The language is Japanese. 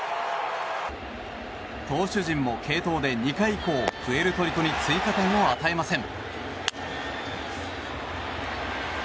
投手陣も継投で２回以降プエルトリコに追加点を与えません。